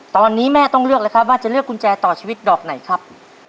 ตอนนี้แม่ต้องเลือกแล้วครับว่าจะเลือกกุญแจต่อชีวิตดอกไหนครับ